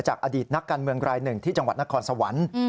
อดีตนักการเมืองรายหนึ่งที่จังหวัดนครสวรรค์